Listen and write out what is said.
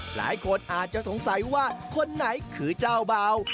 หลายคนอาจจะสงสัยว่าคนไหนคือเจ้าบ่าว